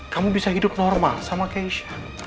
kamu bisa hidup normal sama keisha